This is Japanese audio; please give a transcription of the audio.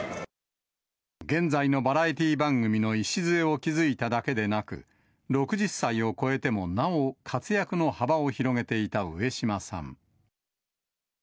現在のバラエティー番組の礎を築いただけでなく、６０歳を超えてもなお活躍の幅を広げていた上島さん。